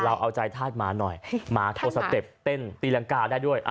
เอาใจธาตุหมาหน่อยหมาโทรสเต็ปเต้นตีรังกาได้ด้วย